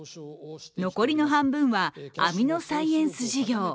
残りの半分はアミノサイエンス事業。